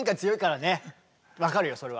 分かるよそれは。